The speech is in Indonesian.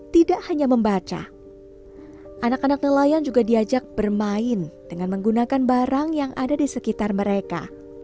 tidak hanya membaca anak anak nelayan juga diajak bermain dengan menggunakan barang yang ada di sekitar mereka